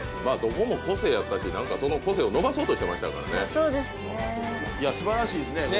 まあどこも個性あったしなんかその個性を伸ばそうとしてましたからね。